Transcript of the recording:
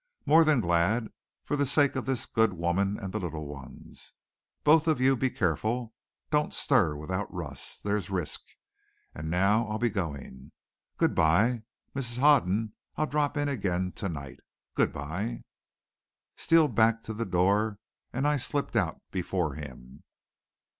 More than glad, for the sake of this good woman and the little ones. But both of you be careful. Don't stir without Russ. There's risk. And now I'll be going. Good by. Mrs. Hoden, I'll drop in again to night. Good by!" Steele backed to the door, and I slipped out before him.